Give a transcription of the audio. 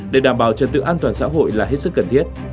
để đảm bảo trật tự an toàn xã hội là hết sức cần thiết